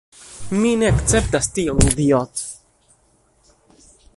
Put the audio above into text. Mi ne akceptas tion, idiot'.